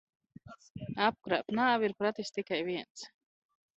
Apkrāpt nāvi ir pratis tikai viens.